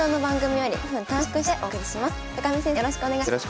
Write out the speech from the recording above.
よろしくお願いします。